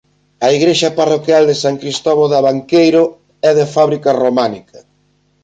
A igrexa parroquial de San Cristovo de Abanqueiro é de fábrica románica.